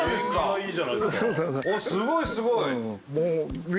すごいすごい！